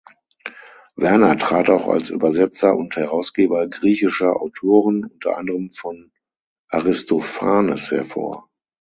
Werner trat auch als Übersetzer und Herausgeber griechischer Autoren, unter anderem von Aristophanes hervor.